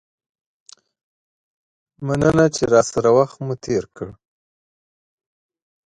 مننه چې راسره مو وخت تیر کړ.